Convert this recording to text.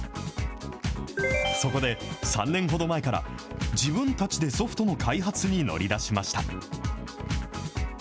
そこで３年ほど前から、自分たちでソフトの開発に乗り出しました。